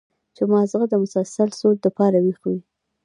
چې مازغه د مسلسل سوچ د پاره وېخ وي